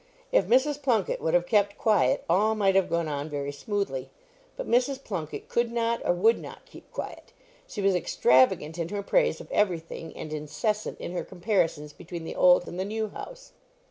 If Mrs. Plunket would have kept quiet, all might have gone on very smoothly; but Mrs. Plunket could not or would not keep quiet. She was extravagant in her praise of every thing, and incessant in her comparisons between the old and the new house.